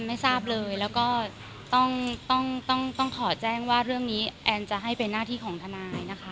ไม่ทราบเลยแล้วก็ต้องขอแจ้งว่าเรื่องนี้แอนจะให้เป็นหน้าที่ของทนายนะคะ